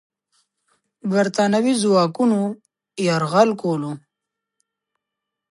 برتانوي ځواکونه یرغل کوله.